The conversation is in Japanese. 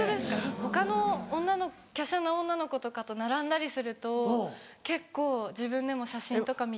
他の女の華奢な女の子とかと並んだりすると結構自分でも写真とか見て。